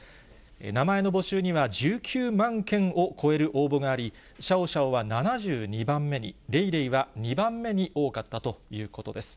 名前の募集には、１９万件を超える応募があり、シャオシャオは７２番目に、レイレイは２番目に多かったということです。